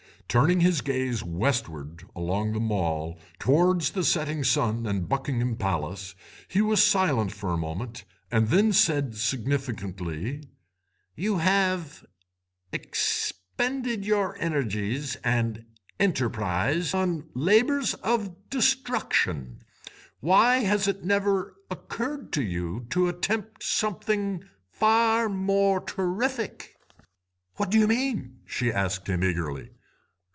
Turning his gaze westward along the Mall, towards the setting sun and Buckingham Palace, he was silent for a moment, and then said significantly, 'You have expended your energies and enterprise on labours of destruction; why has it never occurred to you to attempt something far more terrific?' "'What do you mean?' she asked him eagerly.